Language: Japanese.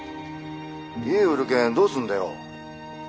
家売る件どうすんだよ？